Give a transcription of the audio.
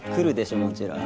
もちろん。